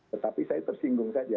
tetapi saya tersinggung saja